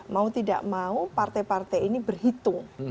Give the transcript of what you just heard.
mau tidak mau partai partai ini berhitung